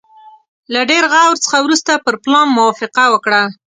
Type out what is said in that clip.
له ډېر غور څخه وروسته پر پلان موافقه وکړه.